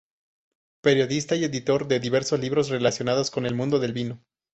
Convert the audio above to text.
Periodista y editor de diversos libros relacionados con el mundo del vino.